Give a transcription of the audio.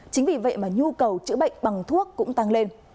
chính vì vậy mà nhu cầu chữa bệnh bằng thuốc cũng tăng lên